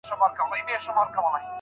آیا ډاکټر تر نرس ډېر مسولیت لري؟